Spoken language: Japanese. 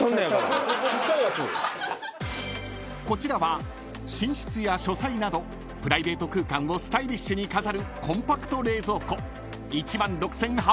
［こちらは寝室や書斎などプライベート空間をスタイリッシュに飾るコンパクト冷蔵庫］